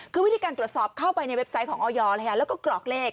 คือวิธีการตรวจสอบเข้าไปในเว็บไซต์ของออยแล้วก็กรอกเลข